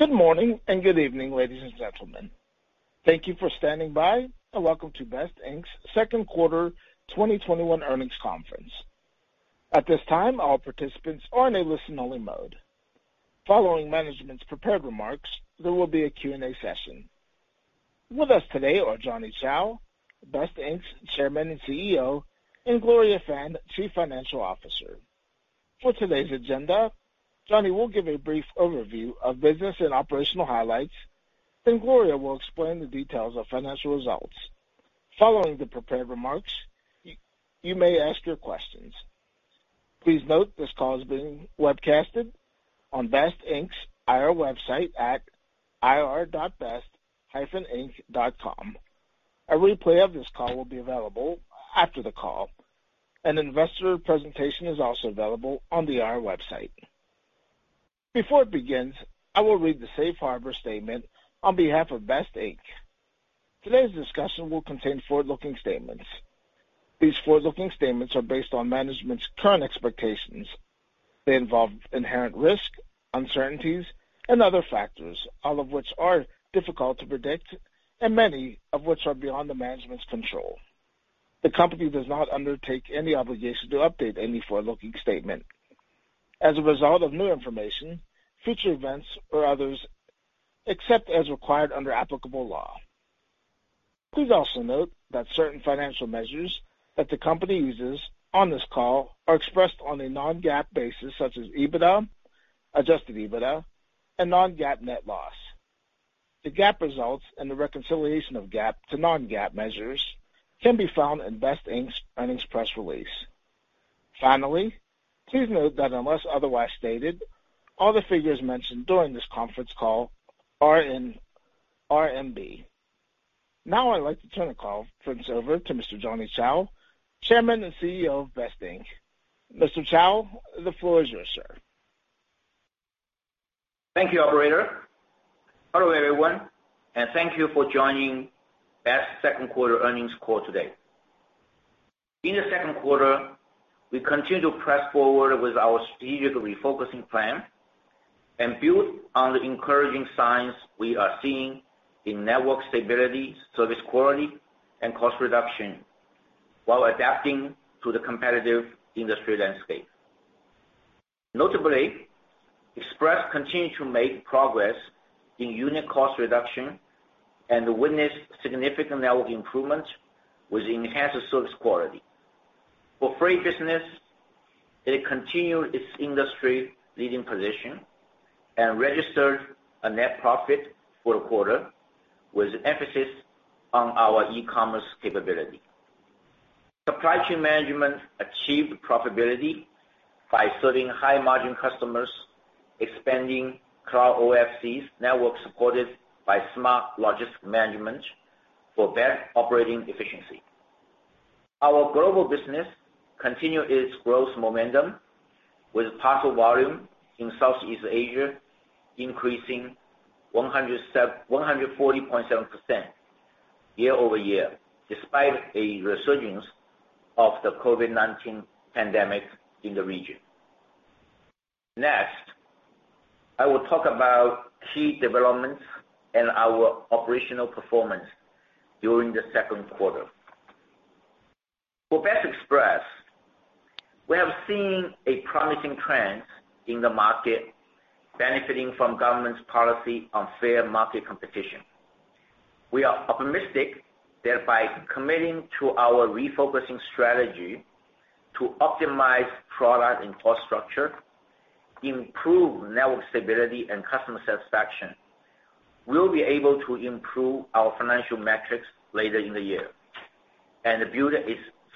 Good morning, and good evening, ladies and gentlemen. Thank you for standing by, and welcome to BEST Inc.'s second quarter 2021 earnings conference. At this time, all participants are in a listen-only mode. Following management's prepared remarks, there will be a Q&A session. With us today are Johnny Chou, BEST Inc.'s Chairman and CEO, and Gloria Fan, Chief Financial Officer. For today's agenda, Johnny will give a brief overview of business and operational highlights, then Gloria will explain the details of financial results. Following the prepared remarks, you may ask your questions. Please note this call is being webcasted on BEST Inc.'s IR website at ir.best-inc.com. A replay of this call will be available after the call. An investor presentation is also available on the IR website. Before it begins, I will read the safe harbor statement on behalf of BEST Inc. Today's discussion will contain forward-looking statements. These forward-looking statements are based on management's current expectations. They involve inherent risk, uncertainties, and other factors, all of which are difficult to predict, and many of which are beyond the management's control. The company does not undertake any obligation to update any forward-looking statement as a result of new information, future events, or others, except as required under applicable law. Please also note that certain financial measures that the company uses on this call are expressed on a non-GAAP basis, such as EBITDA, adjusted EBITDA, and non-GAAP net loss. The GAAP results and the reconciliation of GAAP to non-GAAP measures can be found in BEST Inc.'s earnings press release. Finally, please note that unless otherwise stated, all the figures mentioned during this conference call are in renminbi. Now I'd like to turn the conference over to Mr. Johnny Chou, Chairman and CEO of BEST Inc. Mr. Chou, the floor is yours, sir. Thank you, operator. Hello, everyone, and thank you for joining BEST second quarter earnings call today. In the second quarter, we continued to press forward with our strategic refocusing plan and built on the encouraging signs we are seeing in network stability, service quality, and cost reduction while adapting to the competitive industry landscape. Notably, Express continued to make progress in unit cost reduction and witnessed significant network improvement, which enhanced the service quality. For Freight business, it continued its industry-leading position and registered a net profit for the quarter, with emphasis on our e-commerce capability. Supply Chain Management achieved profitability by serving high-margin customers, expanding Cloud OFCs network supported by smart logistic management for better operating efficiency. Our Global business continued its growth momentum with parcel volume in Southeast Asia increasing 140.7% year-over-year, despite a resurgence of the COVID-19 pandemic in the region. Next, I will talk about key developments and our operational performance during the second quarter. For BEST Express, we have seen a promising trend in the market benefiting from government's policy on fair market competition. We are optimistic that by committing to our refocusing strategy to optimize product and cost structure, improve network stability, and customer satisfaction, we'll be able to improve our financial metrics later in the year and build a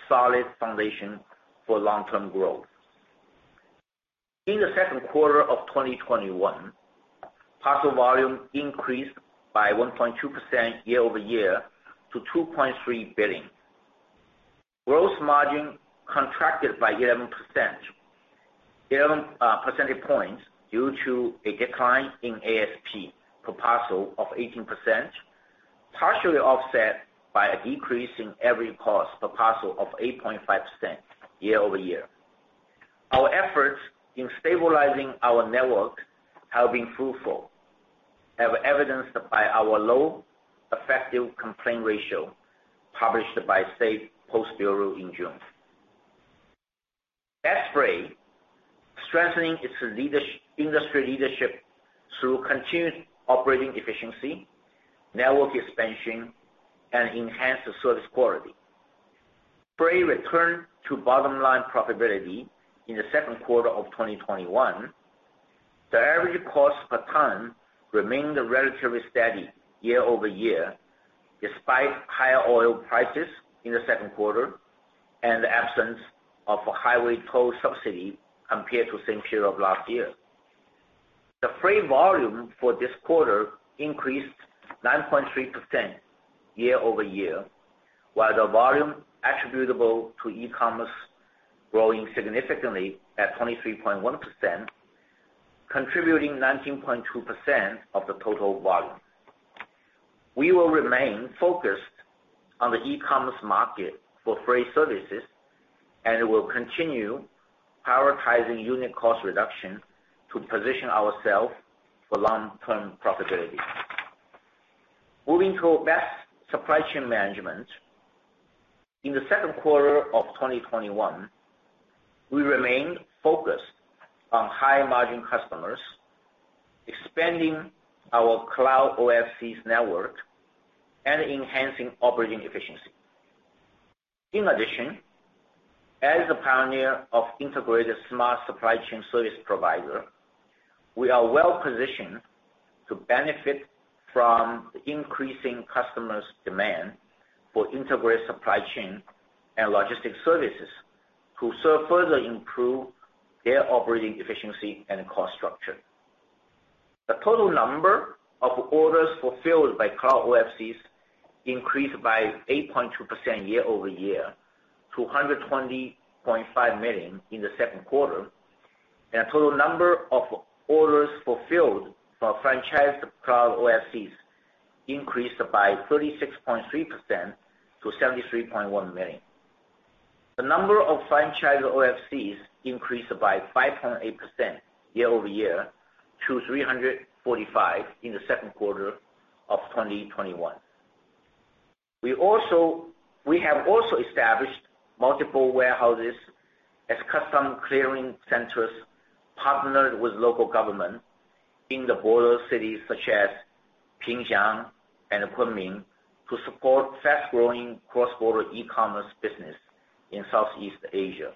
solid foundation for long-term growth. In the second quarter of 2021, parcel volume increased by 1.2% year-over-year to 2.3 billion. Gross margin contracted by 11 percentage points due to a decline in ASP per parcel of 18%, partially offset by a decrease in average cost per parcel of 8.5% year-over-year. Our efforts in stabilizing our network have been fruitful, as evidenced by our low effective complaint ratio published by State Post Bureau in June. BEST Freight strengthening its industry leadership through continued operating efficiency, network expansion, and enhanced service quality. BEST Freight returned to bottom-line profitability in the second quarter of 2021. The average cost per ton remained relatively steady year-over-year, despite higher oil prices in the second quarter and the absence of a highway toll subsidy compared to the same period of last year. The freight volume for this quarter increased 9.3% year-over-year, while the volume attributable to E-commerce growing significantly at 23.1%, contributing 19.2% of the total volume. We will remain focused on the e-commerce market for freight services, and we will continue prioritizing unit cost reduction to position ourselves for long-term profitability. Moving to BEST Supply Chain Management. In the second quarter of 2021, we remained focused on high-margin customers, expanding our Cloud OFCs network, and enhancing operating efficiency. In addition, as a pioneer of integrated smart supply chain service provider, we are well-positioned to benefit from the increasing customer's demand for integrated supply chain and logistics services to further improve their operating efficiency and cost structure. The total number of orders fulfilled by Cloud OFCs increased by 8.2% year-over-year to 120.5 million in the second quarter. Total number of orders fulfilled for franchised Cloud OFCs increased by 36.3% to 73.1 million. The number of franchised OFCs increased by 5.8% year-over-year to 345 in the second quarter of 2021. We have also established multiple warehouses as custom clearing centers, partnered with local government in the border cities such as Pingxiang and Kunming, to support fast-growing cross-border E-commerce business in Southeast Asia.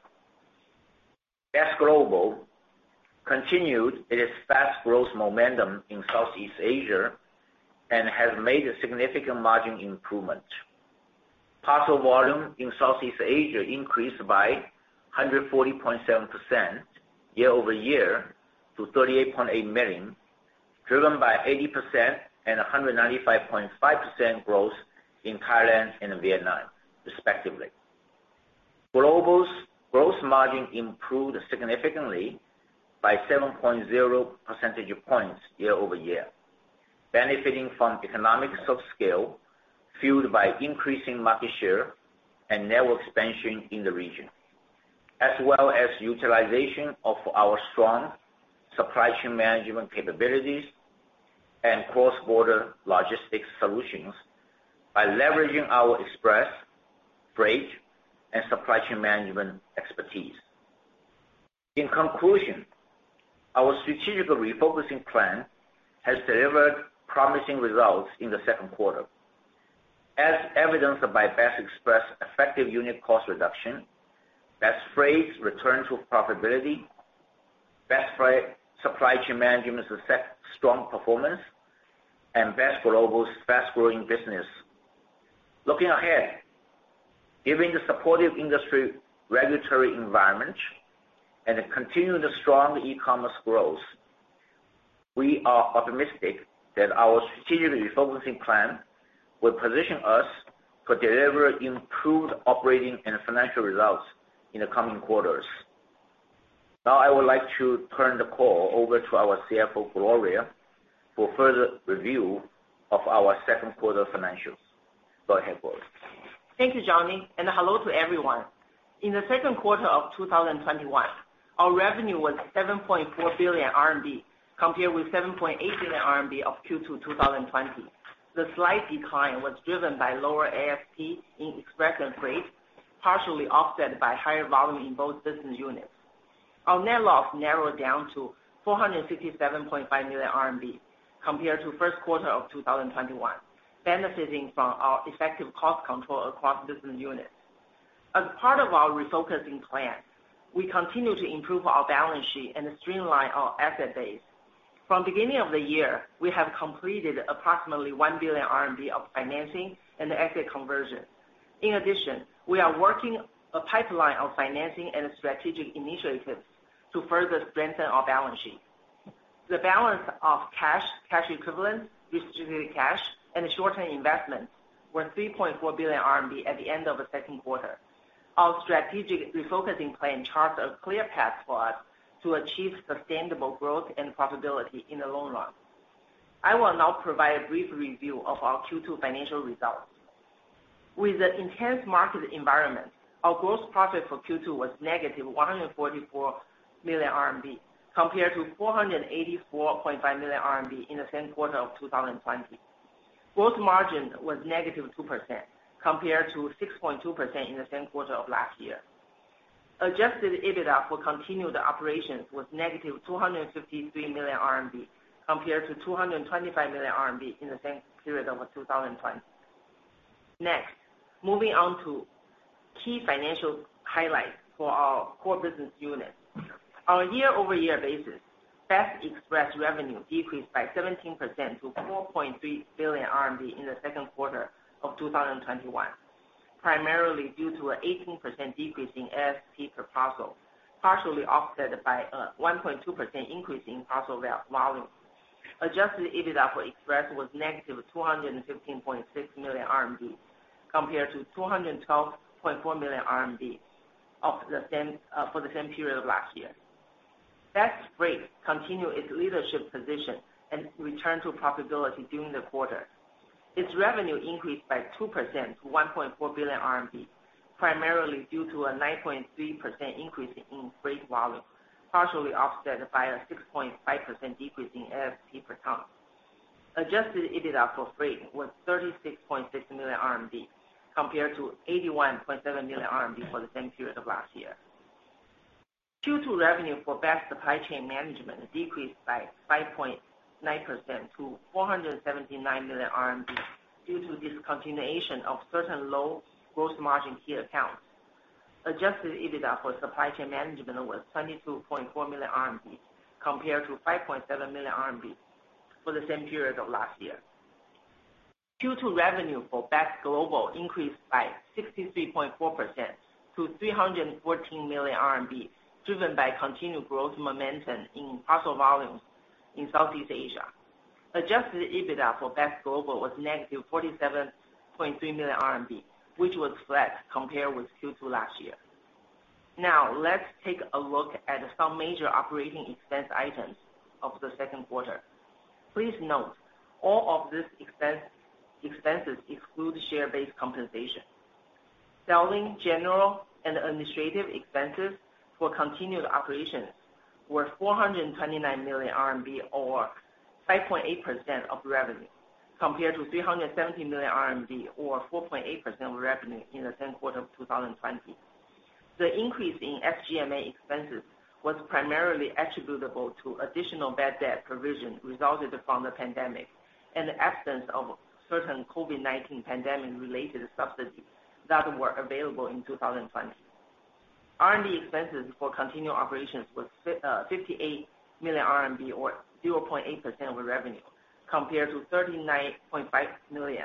BEST Global continued its fast growth momentum in Southeast Asia and has made a significant margin improvement. Parcel volume in Southeast Asia increased by 140.7% year-over-year to 38.8 million, driven by 80% and 195.5% growth in Thailand and Vietnam respectively. Global's gross margin improved significantly by 7.0 percentage points year-over-year, benefiting from economic scale, fueled by increasing market share and network expansion in the region, as well as utilization of our strong supply chain management capabilities and cross-border logistics solutions by leveraging our express, freight, and supply chain management expertise. In conclusion, our strategic refocusing plan has delivered promising results in the second quarter. As evidenced by BEST Express effective unit cost reduction, BEST Freight's return to profitability, BEST Supply Chain Management's strong performance, and BEST Global's fast-growing business. Looking ahead, given the supportive industry regulatory environment and the continued strong e-commerce growth, we are optimistic that our strategic refocusing plan will position us to deliver improved operating and financial results in the coming quarters. Now, I would like to turn the call over to our CFO, Gloria, for further review of our second quarter financials. Go ahead, Gloria. Thank you, Johnny, and hello to everyone. In the second quarter of 2021, our revenue was 7.4 billion RMB, compared with 7.8 billion RMB of Q2 2020. The slight decline was driven by lower ASP in express and freight, partially offset by higher volume in both business units. Our net loss narrowed down to 467.5 million RMB, compared to first quarter of 2021, benefiting from our effective cost control across business units. As part of our refocusing plan, we continue to improve our balance sheet and streamline our asset base. From beginning of the year, we have completed approximately 1 billion RMB of financing and asset conversion. In addition, we are working a pipeline of financing and strategic initiatives to further strengthen our balance sheet. The balance of cash equivalents, restricted cash, and short-term investments were 3.4 billion RMB at the end of the second quarter. Our strategic refocusing plan charts a clear path for us to achieve sustainable growth and profitability in the long run. I will now provide a brief review of our Q2 financial results. With the intense market environment, our gross profit for Q2 was -144 million RMB compared to 484.5 million RMB in the same quarter of 2020. Gross margin was -2% compared to 6.2% in the same quarter of last year. Adjusted EBITDA for continued operations was -253 million RMB compared to 225 million RMB in the same period of 2020. Next, moving on to key financial highlights for our core business units. On a year-over-year basis, BEST Express revenue decreased by 17% to 4.3 billion RMB in the second quarter of 2021, primarily due to an 18% decrease in ASP per parcel, partially offset by a 1.2% increase in parcel volume. Adjusted EBITDA for Express was -215.6 million RMB compared to 212.4 million RMB for the same period of last year. BEST Freight continued its leadership position and returned to profitability during the quarter. Its revenue increased by 2% to 1.4 billion RMB, primarily due to a 9.3% increase in freight volume, partially offset by a 6.5% decrease in ASP per ton. Adjusted EBITDA for freight was 36.6 million RMB, compared to 81.7 million RMB for the same period of last year. Q2 revenue for BEST Supply Chain Management decreased by 5.9% to 479 million RMB due to discontinuation of certain low gross margin key accounts. Adjusted EBITDA for supply chain management was 22.4 million RMB, compared to 5.7 million RMB for the same period of last year. Q2 revenue for BEST Global increased by 63.4% to 314 million RMB, driven by continued growth momentum in parcel volumes in Southeast Asia. Adjusted EBITDA for BEST Global was -47.3 million RMB, which was flat compared with Q2 2020. Let's take a look at some major operating expense items of the second quarter. Please note, all of these expenses exclude share-based compensation. Selling, general, and administrative expenses for continued operations were 429 million RMB, or 5.8% of revenue, compared to 370 million RMB or 4.8% of revenue in the same quarter of 2020. The increase in SG&A expenses was primarily attributable to additional bad debt provision resulted from the pandemic and the absence of certain COVID-19 pandemic-related subsidies that were available in 2020. R&D expenses for continued operations was 58 million RMB, or 0.8% of revenue, compared to 39.5 million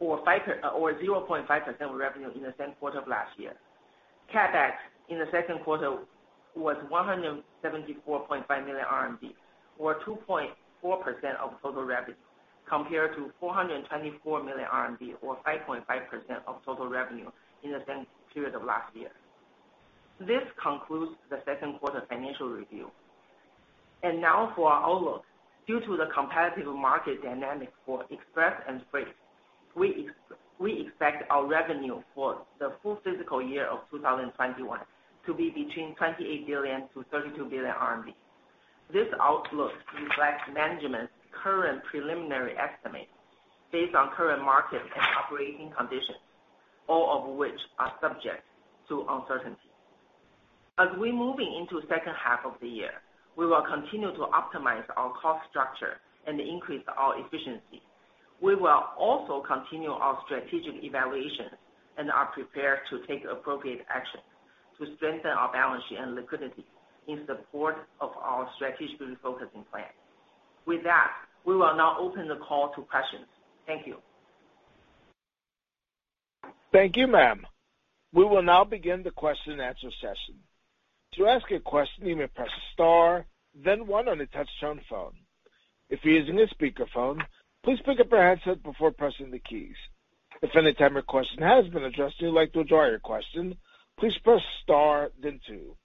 or 0.5% of revenue in the same quarter of 2020. CapEx in the second quarter was 174.5 million RMB, or 2.4% of total revenue, compared to 424 million RMB or 5.5% of total revenue in the same period of last year. This concludes the second quarter financial review. Now for our outlook. Due to the competitive market dynamic for express and freight, we expect our revenue for the full fiscal year of 2021 to be between 28 billion-32 billion RMB. This outlook reflects management's current preliminary estimate based on current market and operating conditions, all of which are subject to uncertainty. As we're moving into second half of the year, we will continue to optimize our cost structure and increase our efficiency. We will also continue our strategic evaluations and are prepared to take appropriate action to strengthen our balance sheet and liquidity in support of our strategic refocusing plan. With that, we will now open the call to questions. Thank you. Thank you, ma'am. We will now begin the question and answer session. To ask a question, you may press star then one on a touch-tone phone. If you're using a speakerphone, please pick up your headset before pressing the keys. If any time your question has been addressed and you'd like to withdraw your question, please press star then two.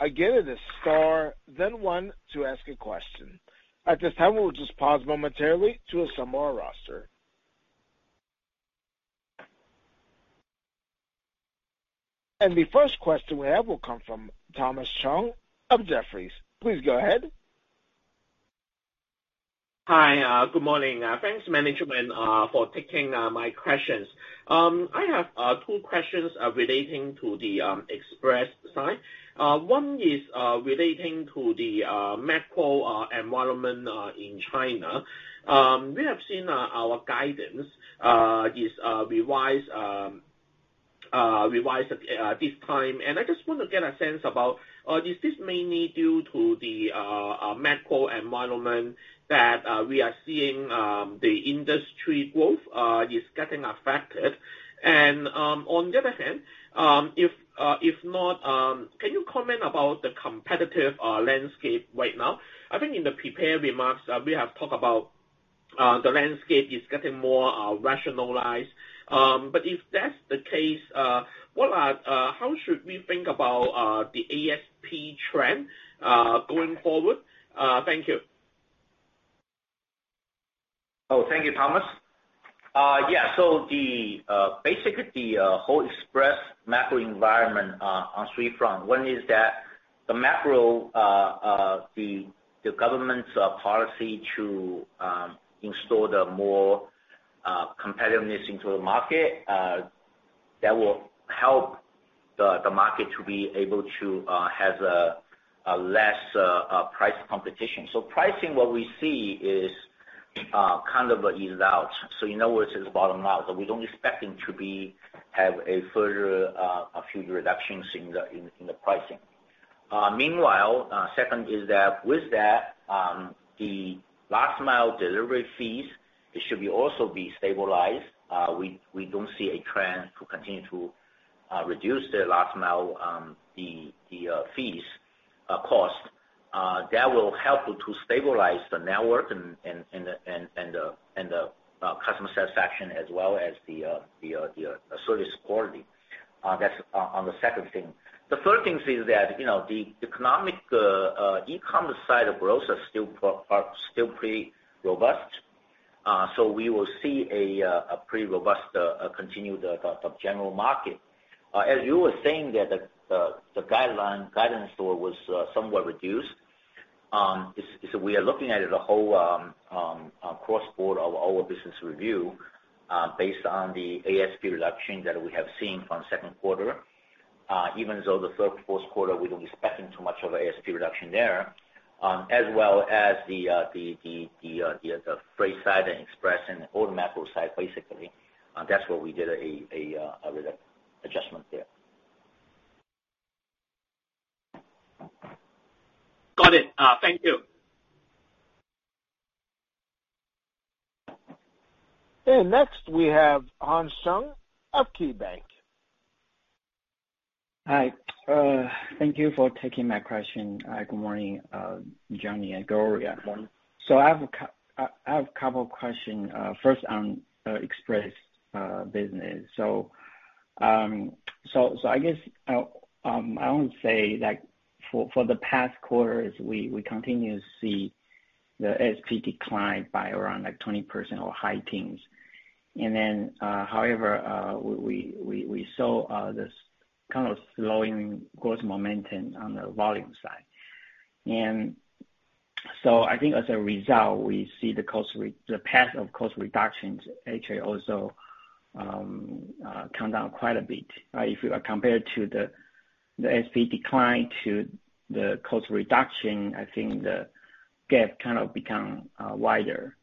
Again, it is star then one to ask a question. At this time, we will just pause momentarily to assemble our roster. The first question we have will come from Thomas Chong of Jefferies. Please go ahead. Hi. Good morning. Thanks, management, for taking my questions. I have two questions relating to the express side. One is relating to the macro environment in China. We have seen our guidance is revised at this time. I just want to get a sense about, is this mainly due to the macro environment that we are seeing the industry growth is getting affected? On the other hand, if not, can you comment about the competitive landscape right now? I think in the prepared remarks, we have talked about the landscape is getting more rationalized. If that's the case, how should we think about the ASP trend going forward? Thank you. Thank you, Thomas. Yeah. Basically, the whole express macro environment on three front. One is that the macro, the government's policy to install the more competitiveness into the market, that will help the market to be able to have a less price competition. Pricing, what we see is kind of eased out. In other words, it's bottomed out, we don't expect it to have a further few reductions in the pricing. Meanwhile, two is that with that, the last-mile delivery fees, it should also be stabilized. We don't see a trend to continue to reduce the last-mile fees cost. That will help to stabilize the network and the customer satisfaction as well as the service quality. That's on the second thing. The third thing is that the economic e-commerce side of growth are still pretty robust. We will see a pretty robust continued general market. As you were saying that the guidance was somewhat reduced, we are looking at the whole cross-border of our business review based on the ASP reduction that we have seen from second quarter. Even though the third, fourth quarter, we don't expect too much of ASP reduction there. As well as the freight side and express and automatic side, basically. That's where we did an adjustment there. Got it. Thank you. Next we have Hans Chung of KeyBanc. Hi. Thank you for taking my question. Good morning, Johnny and Gloria. Good morning. I have a couple of questions. First on express business. I guess, I want to say that for the past quarters, we continue to see the ASP decline by around 20% or high teens. However, we saw this kind of slowing growth momentum on the volume side. I think as a result, we see the path of cost reductions actually also come down quite a bit. If you compare the ASP decline to the cost reduction, I think the gap kind of become wider.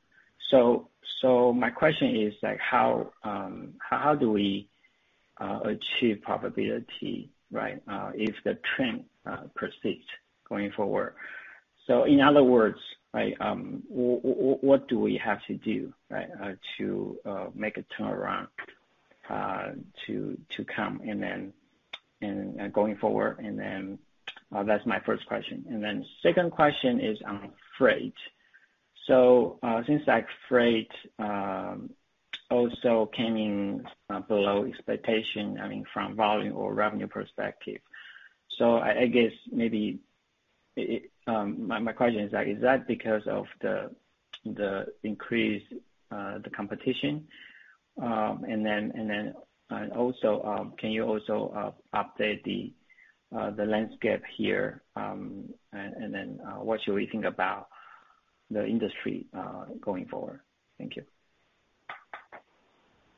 My question is how do we achieve profitability, right, if the trend persists going forward? In other words, what do we have to do to make a turnaround to come and then going forward? That's my first question. Second question is on freight. Since freight also came in below expectation, from volume or revenue perspective. I guess maybe my question is that because of the increased competition? Can you also update the landscape here? What should we think about the industry going forward? Thank you.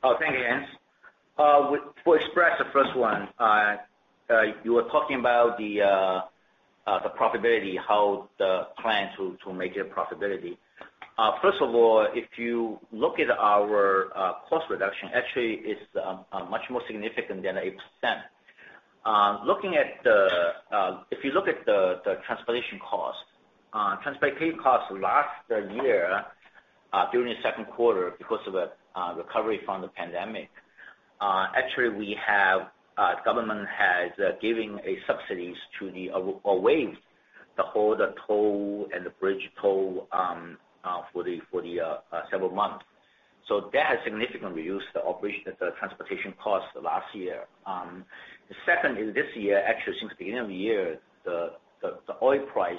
Thank you, Hans. For express, the first one, you were talking about the profitability, how the plan to make it profitability. First of all, if you look at our cost reduction, actually it's much more significant than 8%. If you look at the transportation cost, transportation cost last year, during the second quarter because of the recovery from the COVID-19, actually the government has given subsidies or waived the toll and the bridge toll for several months. That has significantly reduced the transportation cost last year. The second is this year, actually since the beginning of the year, the oil price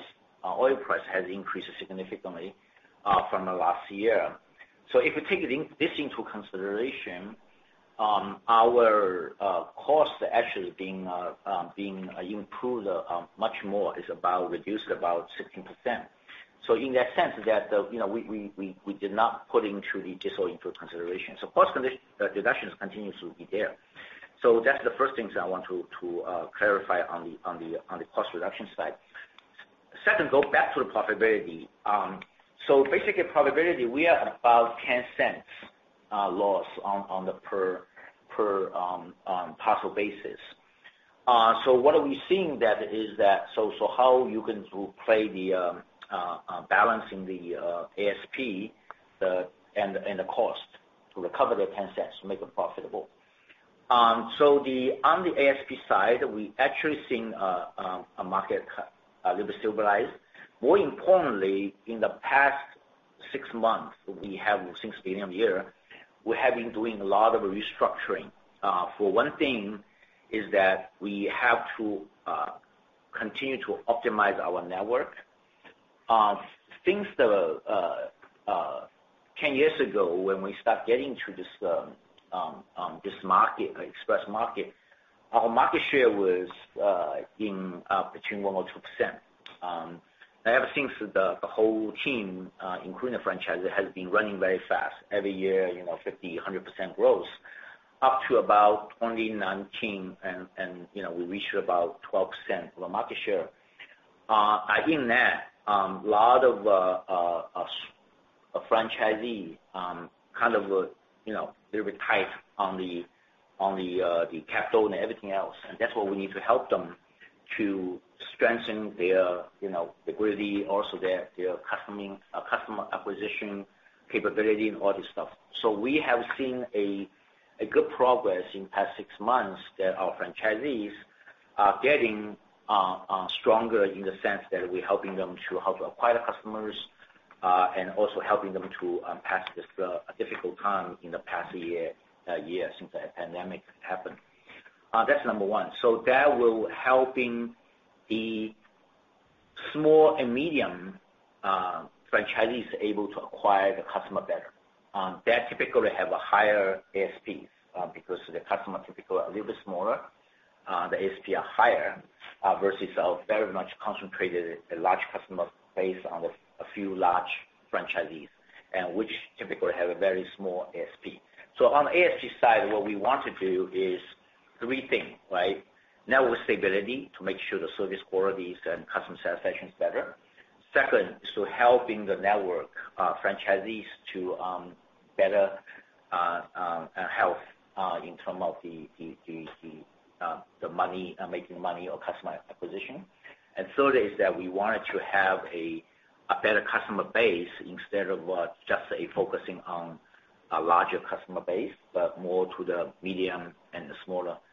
has increased significantly from last year. If we take this into consideration, our cost actually being improved much more, is reduced about 16%. In that sense, we did not put into the diesel into consideration. Cost reductions continues to be there. That's the first things I want to clarify on the cost reduction side. Second, go back to the profitability. Basically profitability, we are about 0.10 loss on the per parcel basis. What are we seeing that is that, how you can play the balancing the ASP and the cost to recover the 0.10 to make it profitable. On the ASP side, we actually seeing a market little bit stabilized. More importantly, in the past six months, since beginning of the year, we have been doing a lot of restructuring. For one thing is that we have to continue to optimize our network. Since 10 years ago, when we start getting to this express market, our market share was between 1% or 2%. Ever since the whole team, including the franchises, has been running very fast. Every year, 50%, 100% growth up to about 2019. We reached about 12% of the market share. In that, a lot of franchisee little bit tight on the capital and everything else. That's why we need to help them to strengthen their liquidity, also their customer acquisition capability and all this stuff. We have seen a good progress in the past six months that our franchisees are getting stronger in the sense that we're helping them to help acquire the customers, and also helping them to pass this difficult time in the past year since the pandemic happened. That's number one. That will helping the small and medium franchisees able to acquire the customer better. That typically have a higher ASPs, because the customer typically are a little bit smaller. The ASP are higher, versus a very much concentrated large customer base on a few large franchisees, which typically have a very small ASP. On the ASP side, what we want to do is three things. Network stability, to make sure the service qualities and customer satisfaction is better. Second is to helping the network franchisees to better health in terms of the making money or customer acquisition. Third is that we wanted to have a better customer base instead of just focusing on a larger customer base, but more to the medium and the smaller customer,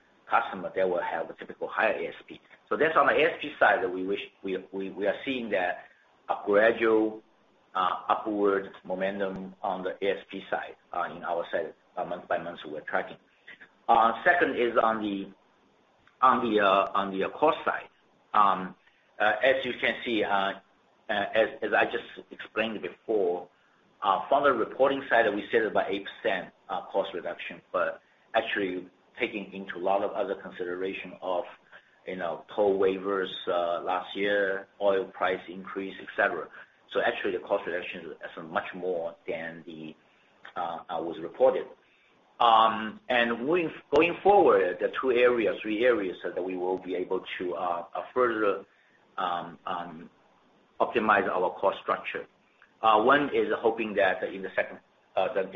they will have a typical higher ASP. That's on the ASP side that we are seeing that a gradual upward momentum on the ASP side, on our side, month by month we're tracking. Second is on the cost side. As you can see, as I just explained before, from the reporting side, we said about 8% cost reduction, but actually taking into a lot of other consideration of toll waivers last year, oil price increase, et cetera. Actually the cost reduction is much more than was reported. Going forward, the two areas, three areas that we will be able to further optimize our cost structure. One is hoping that in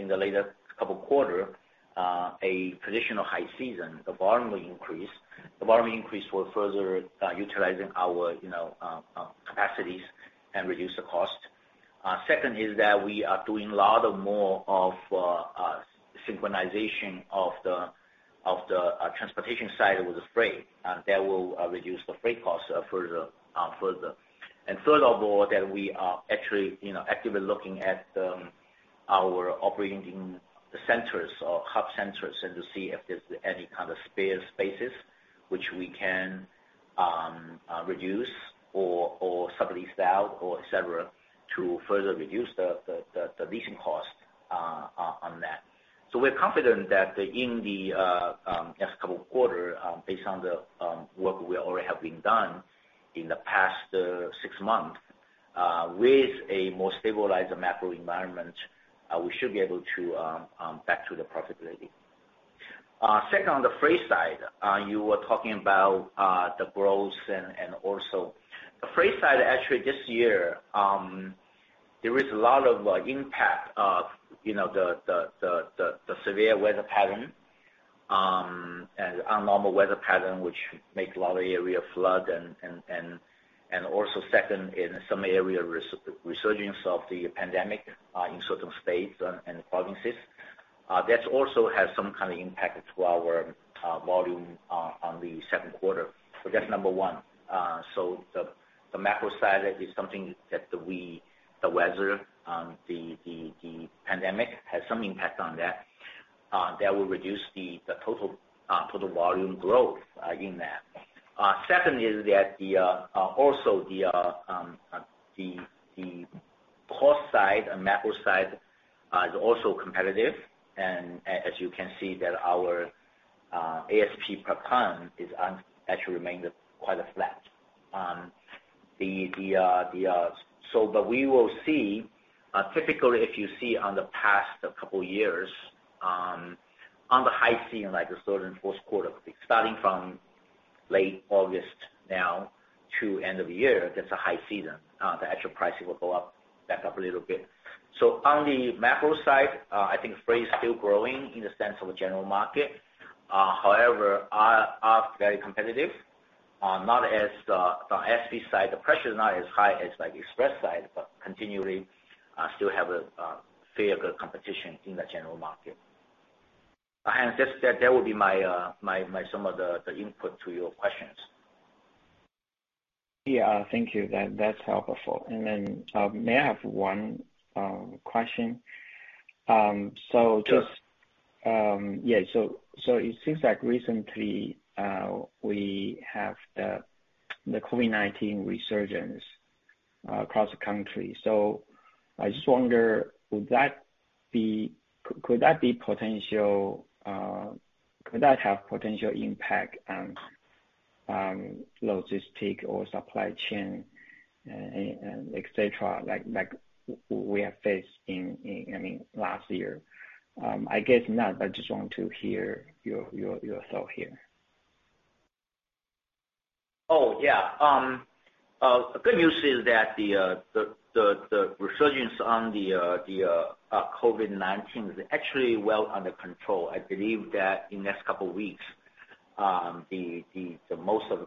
the later couple quarter, a traditional high season, the volume will increase. The volume increase will further utilizing our capacities and reduce the cost. Two is that we are doing a lot more of synchronization of the transportation side with the freight, and that will reduce the freight cost further. Third of all, that we are actually actively looking at our operating centers or hub centers, and to see if there's any kind of spare spaces which we can reduce or sublease out or et cetera, to further reduce the leasing cost on that. We are confident that in the next couple quarter, based on the work we already have been done in the past six months, with a more stabilized macro environment, we should be able to back to the profitability. Second, on the freight side, you were talking about the growth and also The freight side actually this year, there is a lot of impact of the severe weather pattern, and abnormal weather pattern, which make a lot of area flood. Also second, in some area, resurgence of the pandemic in certain states and provinces. That also has some kind of impact to our volume on the second quarter. That's number one. The macro side is something that the weather, the pandemic, has some impact on that. That will reduce the total volume growth in that. Second is that also the cost side and macro side is also competitive, and as you can see that our ASP per ton is actually remained quite flat. We will see, typically, if you see on the past couple years, on the high season, like the third and fourth quarter, starting from late August now to end of year, that's a high season. The actual pricing will go back up a little bit. On the macro side, I think freight is still growing in the sense of the general market. However, are very competitive. On the ASP side, the pressure is not as high as the express side, but continuing, still have a fair good competition in the general market. Just that would be my some of the input to your questions. Yeah. Thank you. That's helpful. May I have one question? Sure. Yeah. It seems like recently, we have the COVID-19 resurgence across the country. I just wonder, could that have potential impact on logistics or supply chain, et cetera, like we have faced in last year? I guess not, but just want to hear your thought here. Oh, yeah. Good news is that the resurgence on the COVID-19 is actually well under control. I believe that in the next couple weeks. The most of the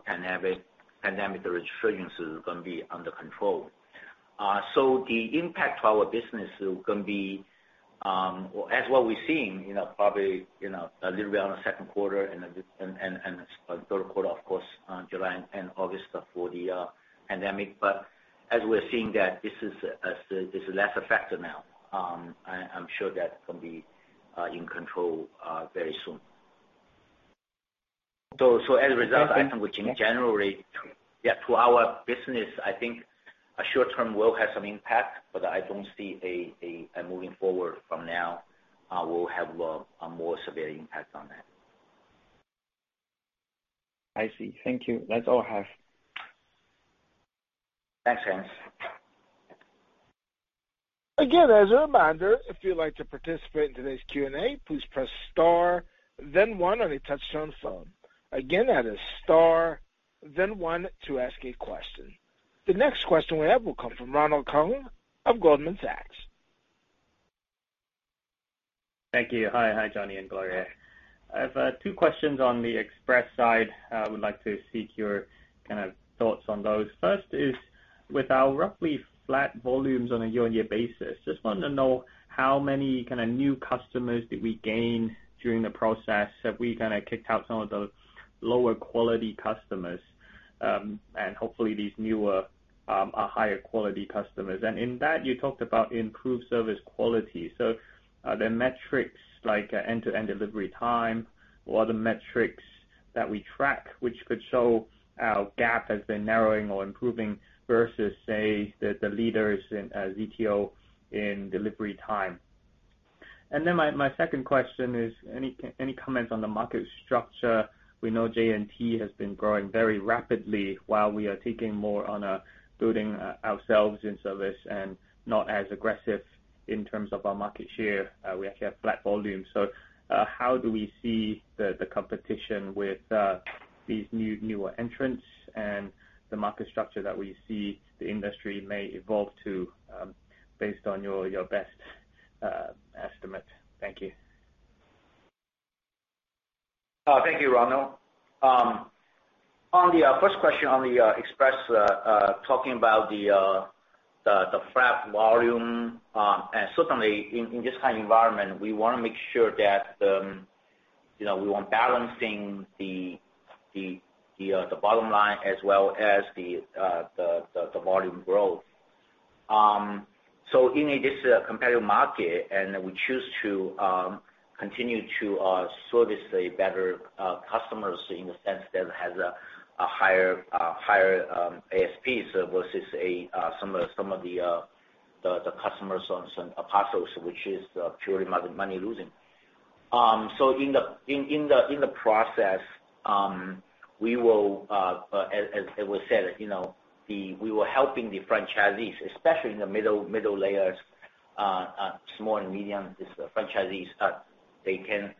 pandemic restrictions is going to be under control. The impact to our business is going to be as what we're seeing, probably a little bit on the second quarter and the third quarter, of course, July and August for the pandemic. As we are seeing that this is less a factor now. I'm sure that will be in control very soon. Okay. I think, which in January, to our business, I think short-term will have some impact. I don't see moving forward from now will have a more severe impact on that. I see. Thank you. That's all I have. Thanks. The next question we have will come from Ronald Keung of Goldman Sachs. Thank you. Hi, Johnny Chou and Gloria Fan. I have two questions on the express side. I would like to seek your thoughts on those. First is, with our roughly flat volumes on a year-over-year basis, just wanted to know how many new customers did we gain during the process? Have we kind of kicked out some of the lower quality customers, and hopefully these newer are higher quality customers. In that, you talked about improved service quality. Are there metrics like end-to-end delivery time or other metrics that we track, which could show our gap has been narrowing or improving versus, say, the leaders in ZTO in delivery time? My second question is any comments on the market structure? We know J&T has been growing very rapidly while we are taking more on building ourselves in service and not as aggressive in terms of our market share. We actually have flat volume. How do we see the competition with these newer entrants and the market structure that we see the industry may evolve to based on your best estimate? Thank you. Thank you, Ronald. On the first question on the Express, talking about the flat volume, certainly in this kind of environment, we want to make sure that we want balancing the bottom line as well as the volume growth. In this competitive market, we choose to continue to service a better customers in the sense that has a higher ASPs versus some of the customers on parcels, which is purely money losing. In the process, as we said, we were helping the franchisees, especially in the middle layers, small and medium franchisees. They can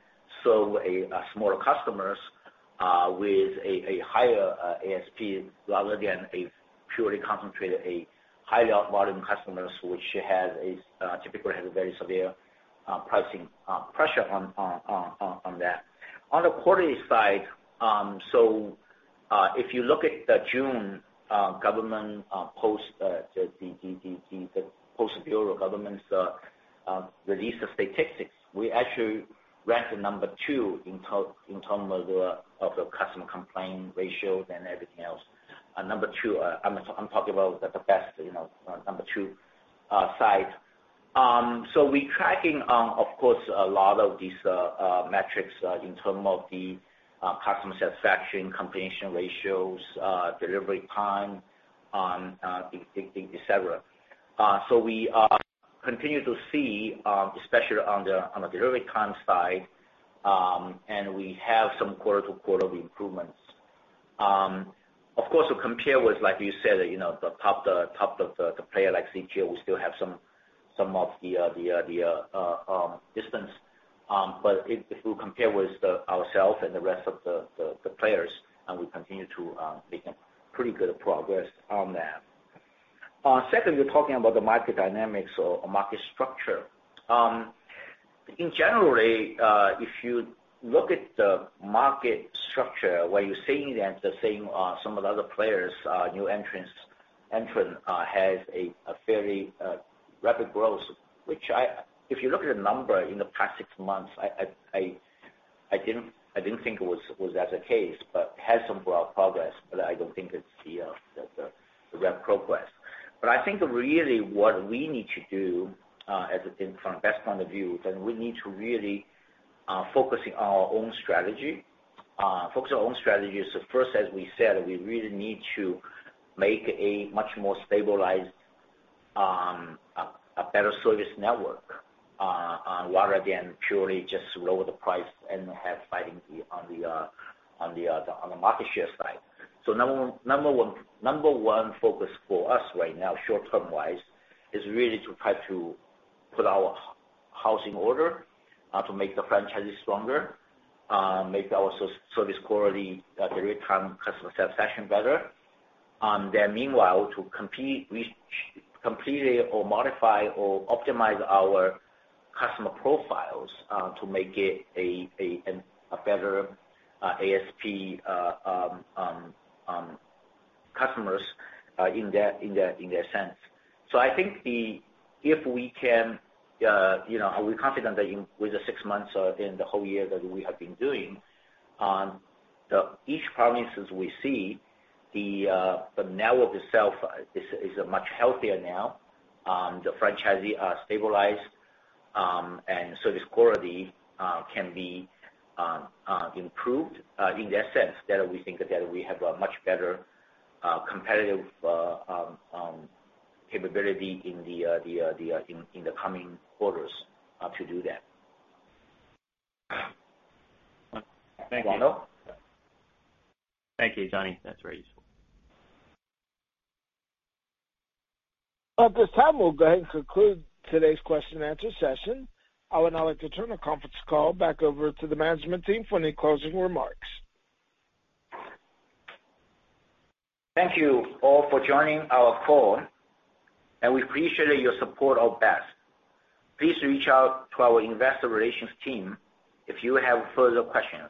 serve a smaller customers, with a higher ASP rather than a purely concentrated, a high volume customers, which typically has a very severe pricing pressure on that. On the quality side, if you look at the June government post, the State Post Bureau government's release of statistics, we actually ranked two in terms of the customer complaint ratios and everything else. Two, I am talking about the BEST, two side. We tracking, of course, a lot of these metrics in terms of the customer satisfaction, completion ratios, delivery time, et cetera. We continue to see, especially on the delivery time side, and we have some quarter-over-quarter improvements. Of course, to compare with, like you said, the top of the player, like ZTO, we still have some of the distance. If we compare with ourself and the rest of the players, and we continue to make a pretty good progress on that. Secondly, talking about the market dynamics or market structure. In general, if you look at the market structure, where you're seeing that the same, some of the other players, new entrants has a fairly rapid growth. Which if you look at the number in the past six months, I didn't think it was as the case, but had some broad progress, but I don't think it's the rapid progress. I think really what we need to do from a BEST point of view is that we need to really focus on our own strategy. Focus our own strategy is first, as we said, we really need to make a much more stabilized, a better service network, rather than purely just lower the price and have fighting on the market share side. Number one focus for us right now, short-term wise, is really to try to put our house in order, to make the franchises stronger, make our service quality, delivery time, customer satisfaction better. Meanwhile, to completely or modify or optimize our customer profiles, to make it a better ASP customers in that sense. I think Are we confident that in with the six months in the whole year that we have been doing on the each provinces we see, the network itself is much healthier now. The franchisee are stabilized, and service quality can be improved. In that sense that we think that we have a much better competitive capability in the coming quarters to do that. Thank you. Ronald? Thank you, Johnny. That's very useful. At this time, we'll go ahead and conclude today's question and answer session. I would now like to turn the conference call back over to the management team for any closing remarks. Thank you all for joining our call, and we appreciate your support of BEST. Please reach out to our investor relations team if you have further questions.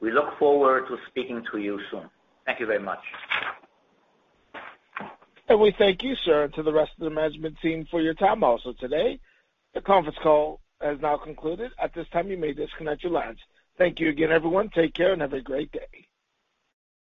We look forward to speaking to you soon. Thank you very much. We thank you, sir, and to the rest of the management team for your time also today. The conference call has now concluded. At this time, you may disconnect your lines. Thank you again, everyone. Take care and have a great day.